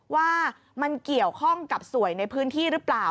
ว่ามันเกี่ยวข้องกับสวยในพื้นที่หรือเปล่า